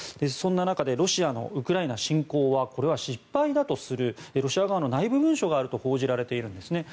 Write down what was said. そんな中でロシアのウクライナ侵攻は失敗だとするロシア側の内部文書があると報じられているんです。